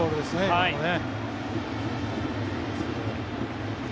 今のもね。